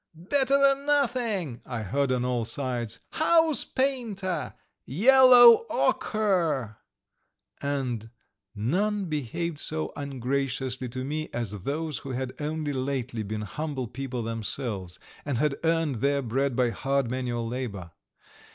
"Better than nothing!" I heard on all sides. "House painter! Yellow ochre!" And none behaved so ungraciously to me as those who had only lately been humble people themselves, and had earned their bread by hard manual labour.